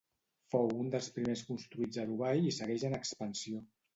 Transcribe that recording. Fou un dels primers construïts a Dubai i segueix en expansió.